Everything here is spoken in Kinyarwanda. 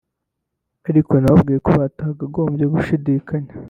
ariko nababwira ko batakagombye gushidikanya